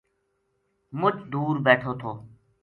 مچ دور بیٹھو تھو